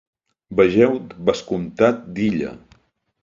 Vegeu Vescomtat d'Illa.